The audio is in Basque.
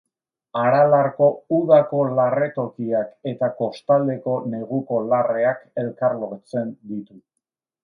Aralarko udako larre tokiak eta kostaldeko neguko larreak elkarlotzen ditu.